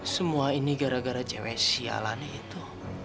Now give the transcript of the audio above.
semua ini gara gara cewek sialan itu